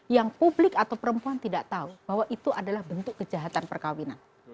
yang publik atau perempuan tidak tahu bahwa itu adalah bentuk kejahatan perkawinan